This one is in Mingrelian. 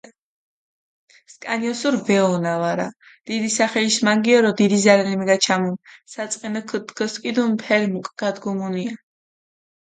სქანი ოსური ვეჸონა ვარა, დიდი სახელიშ მანგიორო დიდი ზარალი მიგაჩამუნ, საწყენო ქჷდგოსქიდუნ ფერი მუკგადგუმუნია.